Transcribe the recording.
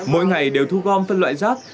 mỗi ngày đều thu gom phân loại rác